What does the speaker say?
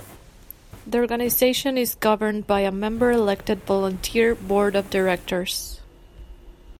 The organization is governed by a member-elected, volunteer Board of Directors.